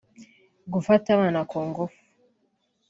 gufata abana ku ngufu